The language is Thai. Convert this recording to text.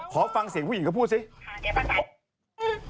ขอฟังเสียงผู้หญิงก็พูดซะ